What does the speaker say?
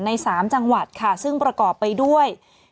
๓จังหวัดค่ะซึ่งประกอบไปด้วย